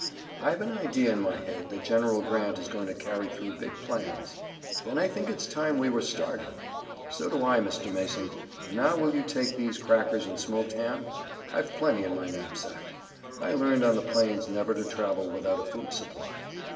I've an idea in my head that General Grant is going to carry through big plans." "Then I think it's time we were starting." "So do I, Mr. Mason, and now will you take these crackers and smoked ham? I've plenty in my knapsack. I learned on the plains never to travel without a food supply.